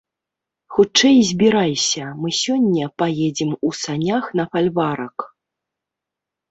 Хутчэй збірайся, мы сёння паедзем у санях на фальварак.